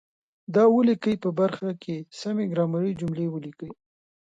د ولیکئ په برخه کې سمې ګرامري جملې ولیکئ.